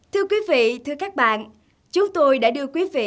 thưa quý vị thưa các bạn chúng tôi đã đưa quý vị đi dọc đất